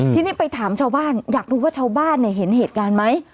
ทีนี้ไปถามชาวบ้านอยากรู้ว่าชาวบ้านเห็นเหตุการณ์ไหม